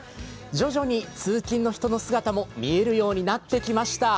徐々に通勤の人の姿も見えるようになってきました。